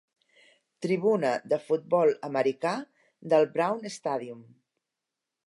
Tribuna de futbol americà del Brown Stadium.